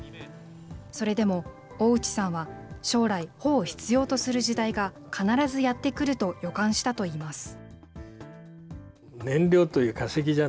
それでも大内さんは将来、帆を必要とする時代が必ずやって来ると予感したといいます。